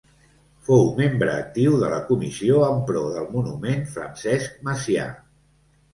Fou membre actiu de la comissió en pro del monument Francesc Macià.